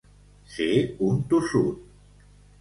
Ser un tossut.